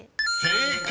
［正解！